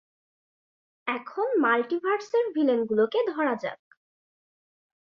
এখন মাল্টিভার্সের ভিলেনগুলোকে ধরা যাক।